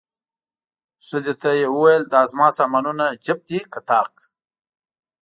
ښځې ته یې وویل، دا زما سامانونه جفت دي که طاق؟